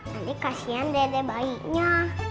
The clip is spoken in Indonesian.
nanti kasian dede bayinya